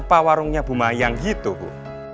kenapa warungnya bumayang gitu bu